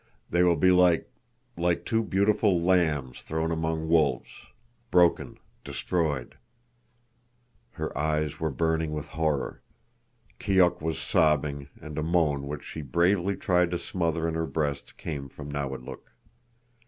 They will be like—like two beautiful lambs thrown among wolves—broken—destroyed—" Her eyes were burning with horror. Keok was sobbing, and a moan which she bravely tried to smother in her breast came from Nawadlook.